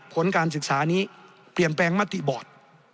ผลการศึกษานี้เปลี่ยนแปลงมติบอร์ด